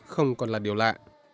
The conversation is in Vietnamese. không còn là điều lạ